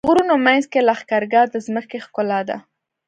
د غرونو منځ کې لښکرګاه د ځمکې ښکلا ده.